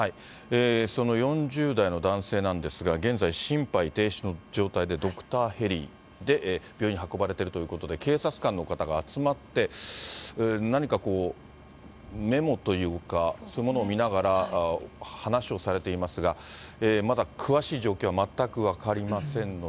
その４０代の男性なんですが、現在、心肺停止の状態で、ドクターヘリで病院に運ばれているということで、警察官の方が集まって、何かこう、メモというか、そういうものを見ながら、話をされていますが、まだ詳しい状況は全く分かりませんので。